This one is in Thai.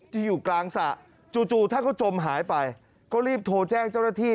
อยู่กลางสระจู่ถ้าเขาจมหายไปก็รีบโทรแจ้งเจ้าหน้าที่